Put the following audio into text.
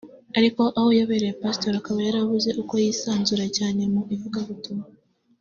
ariko aho abereye Pasitori akaba yarabuze uko yisanzura cyane mu ivugabutumwa